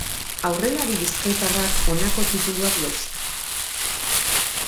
Aurrelari bizkaitarrak honako tituluak dauzka.